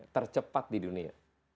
tercepat di dunia